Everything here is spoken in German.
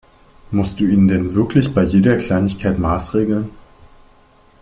Musst du ihn denn wirklich bei jeder Kleinigkeit maßregeln?